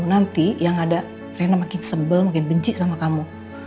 nanti yang ada rena makin sebel makin benci sama kamu